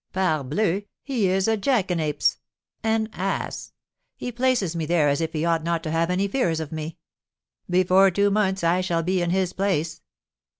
"Parbleu, he is a jackanapes, an ass! He places me there as if he ought not to have any fears of me. Before two months I shall be in his place."